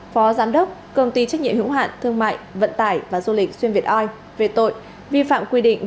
phó giám đốc công ty trách nhiệm hữu hạn thương mại vận tải và du lịch xuyên việt oi về tội vi phạm quy định